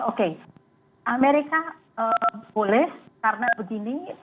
oke amerika boleh karena begini